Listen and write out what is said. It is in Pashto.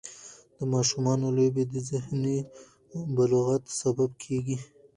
د ماشومانو لوبې د ذهني بلوغت سبب کېږي.